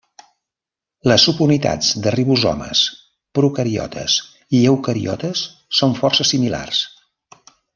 Les subunitats de ribosomes procariotes i eucariotes són força similars.